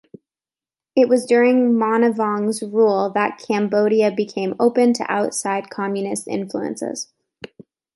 It was during Monivong's rule that Cambodia became open to outside communist influences.